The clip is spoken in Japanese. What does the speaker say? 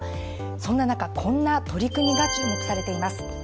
そんな中、こんな取り組みが注目されています。